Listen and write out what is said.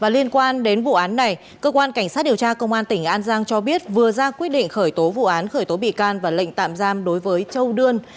liên quan đến vụ án này cơ quan cảnh sát điều tra công an tỉnh an giang cho biết vừa ra quyết định khởi tố vụ án khởi tố bị can và lệnh tạm giam đối với châu đưa